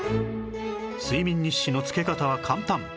睡眠日誌のつけ方は簡単